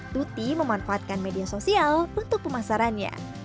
tuti memanfaatkan media sosial untuk pemasarannya